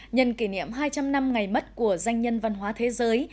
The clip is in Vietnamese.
nhân kỷ niệm hai trăm linh năm ngày mất của danh nhân văn hóa thế giới